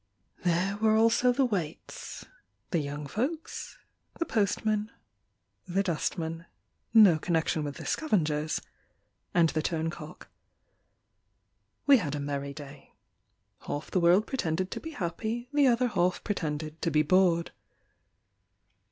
There were also the waits, The young folks, The postman, The dustman (No connection with the scavengers), And the turncock. We had a merry day. Half the world pretended to be happy, The other half pretended to be bored.